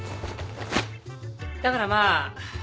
だからまあ。